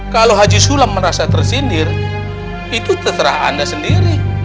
kalau haji sulam merasa tersindir itu terserah anda sendiri